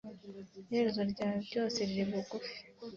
iherezo rya byose riri bugufi